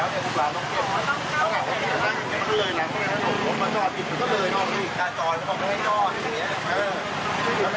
ที่จะตอนที่นี้จะฟังคาร